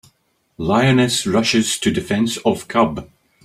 Lioness Rushes to Defense of Cub.